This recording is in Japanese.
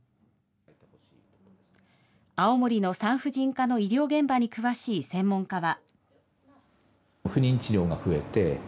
青森の産婦人科の医療現場に詳しい専門家は。